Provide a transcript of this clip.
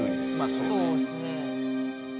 そうですね。